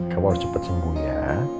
kamu harus cepat sembuh ya